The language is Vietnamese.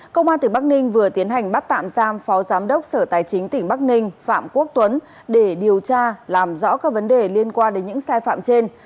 công an tỉnh bắc ninh vừa tiến hành bắt tạm giam phó giám đốc sở tài chính tỉnh bắc ninh phạm quốc tuấn để điều tra làm rõ các vấn đề liên quan đến những sai phạm trên